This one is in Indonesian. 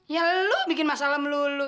ya lu bikin masalah melulu